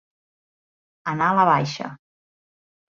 Anar a la baixa.